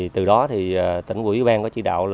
từ đó tỉnh quỹ ban có chỉ đạo